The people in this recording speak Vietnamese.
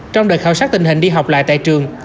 trong đợt khảo sát tình hình đi học lại tại trường